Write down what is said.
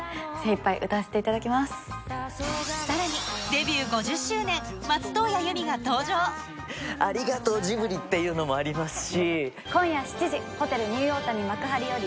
さらにデビュー５０周年松任谷由実が登場っていうのもありますし。